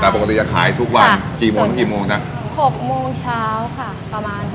แต่ปกติจะขายทุกวันค่ะกี่โมงถึงกี่โมงนะหกโมงเช้าค่ะประมาณหกโมงเช้า